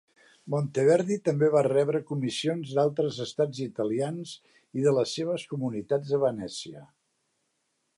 Monteverdi també va rebre comissions d'altres estats italians i de les seves comunitats a Venècia.